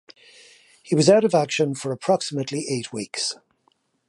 He was out of action for approximately eight weeks.